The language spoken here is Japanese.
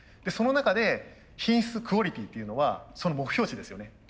その中で品質クオリティーっていうのはその目標値ですよね